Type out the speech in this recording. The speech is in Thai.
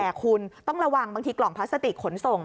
แต่คุณต้องระวังบางทีกล่องพลาสติกขนส่ง